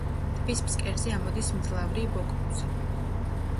ტბის ფსკერზე ამოდის მძლავრი ვოკლუზი.